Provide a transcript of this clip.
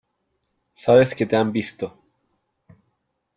sabes que te han visto .